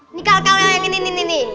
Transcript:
ini kalau kalau yang ini nih nih nih